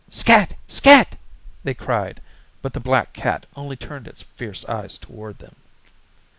"Scat! Scat!" they cried but the black cat only turned its fierce eyes toward them.